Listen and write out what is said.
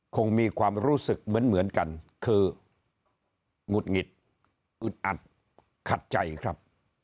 คงมีความรู้สึกเหมือนกันคือหงุดหงิดอึดอัดขัดใจครับ